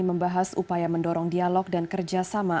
membahas upaya mendorong dialog dan kerjasama